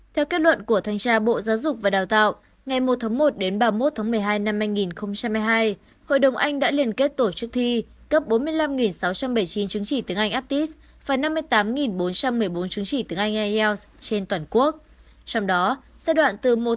theo kết luận của thanh tra bộ giáo dục và đào tạo ngày một tháng một đến ba mươi một tháng một mươi hai năm hai nghìn hai mươi hai hội đồng anh đã liên kết tổ chức thi cấp bốn mươi năm sáu trăm bảy mươi chín chứng chỉ tiếng anh aptis và năm mươi tám bốn trăm một mươi bốn chứng chỉ tiếng anh ielts trên toàn quốc